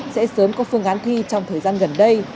sẽ sớm có phương án thi trong thời gian gần đây